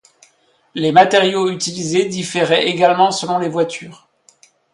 Les matériaux utilisées différaient également selon les voitures.